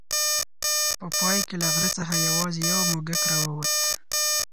په پای کې له غره څخه یوازې یو موږک راووت.